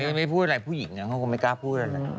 หมายยังไม่ได้พูดอะไรผู้หญิงเนี่ยเขาก็ไม่กล้าพูดอะไร